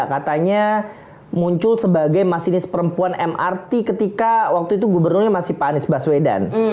katanya muncul sebagai masinis perempuan mrt ketika waktu itu gubernurnya masih pak anies baswedan